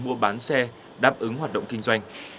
mua bán xe đáp ứng hoạt động kinh doanh